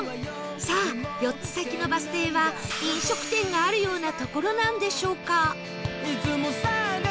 さあ４つ先のバス停は飲食店があるような所なんでしょうか？